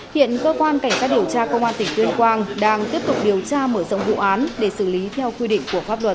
hiện cơ quan cảnh sát điều tra công an tỉnh tuyên quang đang tiếp tục điều tra mở rộng vụ án để xử lý theo quy định của pháp luật